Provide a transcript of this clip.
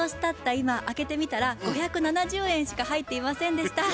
今開けてみたら５７０円しか入っていませんでした。